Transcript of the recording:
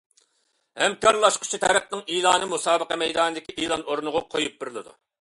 ھەمكارلاشقۇچى تەرەپنىڭ ئېلانى مۇسابىقە مەيدانىدىكى ئېلان ئورنىغا قويۇپ بېرىلىدۇ.